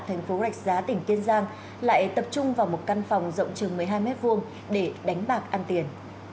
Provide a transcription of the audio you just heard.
thành phố rạch giá tỉnh kiên giang lại tập trung vào một căn phòng rộng chừng một mươi hai m hai để đánh bạc ăn tiền